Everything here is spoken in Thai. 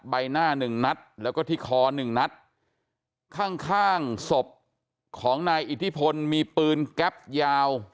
ใบหน้าหนึ่งนัดแล้วก็ที่คอหนึ่งนัดข้างข้างศพของนายอิทธิพลมีปืนแก๊ปยาว